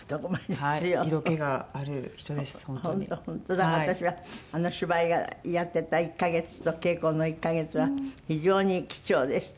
だから私はあの芝居やってた１カ月と稽古の１カ月は非常に貴重でした。